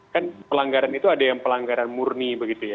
kan pelanggaran itu ada yang pelanggaran murni